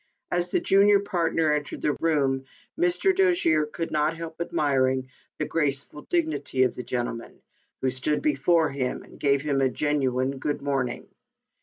As the junior partner entered the room, Mr. Dojere could not help admiring the graceful dignity of the gentleman, who stood before him and gave him a genuine " good morning."